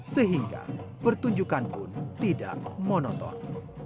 sehingga pertunjukan pun tidak monoton